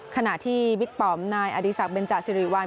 ขณะที่บิ๊กปอมนายอดีศักดิเบนจาสิริวัล